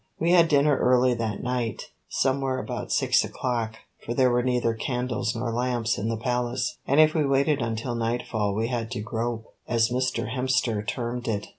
We had dinner early that night, somewhere about six o'clock, for there were neither candles nor lamps in the Palace, and if we waited until nightfall we had to "grope," as Mr. Hemster termed it.